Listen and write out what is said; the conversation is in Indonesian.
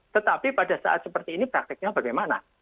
tetapi pada saat seperti ini prakteknya bagaimana